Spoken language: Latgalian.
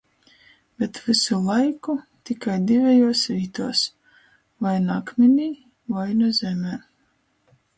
Bet vysu laiku tikai divejuos vītuos — voi nu akminī, voi nu zemē.